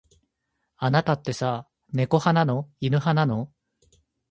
あなたってさ、猫派なの。犬派なの。